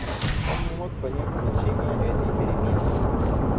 Он не мог понять значения этой перемены.